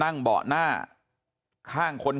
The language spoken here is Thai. ครับคุณสาวทราบไหมครับ